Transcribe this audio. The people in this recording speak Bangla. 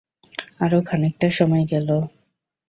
আরো খানিকটা সময় গেল।